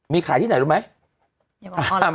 มีขายที่ไหนรู้ไหม